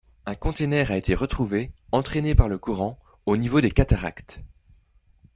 Un container a été retrouvé, entrainé par le courant, au niveau des cataractes.